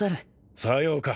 さようか。